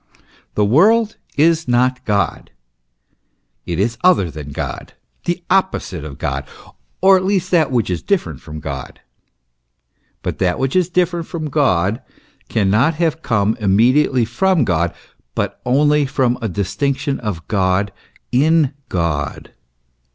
The world is not God ; it is other than God, the opposite of God, or at least that which is different from God. But that which is different from God, cannot have come immedi ately from God, but only from a distinction of God in God.